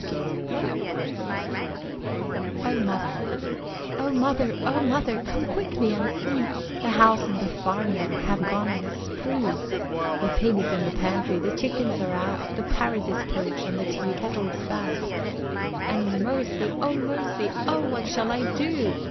[Illustration: OH MOTHER, OH MOTHER, COME QUICKLY AND SEE] OH, MOTHER Oh, Mother, Oh, Mother, Come quickly and see, The house and the farmyard Have gone on a spree. The pig's in the pantry, The chickens are out, The parrot is perched On the tea kettle spout. And mercy, Oh, mercy, Oh, what shall I do?